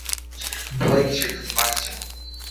ভয় কিসের, তুমি বাড়ি যাও।